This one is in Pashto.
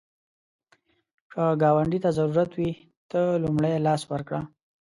که ګاونډي ته ضرورت وي، ته لومړی لاس ورکړه